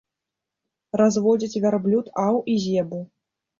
Разводзяць вярблюд аў і зебу.